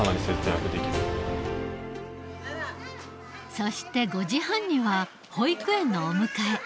そして５時半には保育園のお迎え。